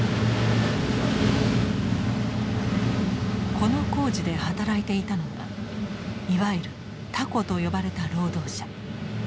この工事で働いていたのがいわゆる「タコ」と呼ばれた労働者。